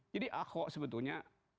jadi ahok sebetulnya